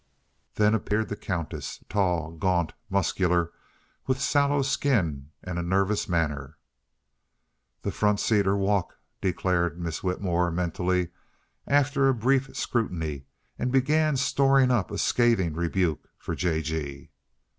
Then appeared the Countess, tall, gaunt and muscular, with sallow skin and a nervous manner. "The front seat or walk!" declared Miss Whitmore, mentally, after a brief scrutiny and began storing up a scathing rebuke for J. G.